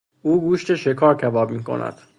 او گوشت شکار را کباب میکند.